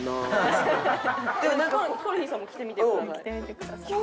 ヒコロヒーさんも着てみてください。